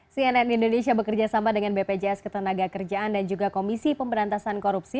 cnn indonesia bekerjasama dengan bpjs ketenaga kerjaan dan juga komisi pemberantasan korupsi